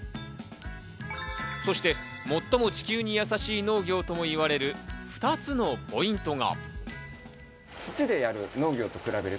そして最も地球にやさしい農業ともいわれる２つのポイントが。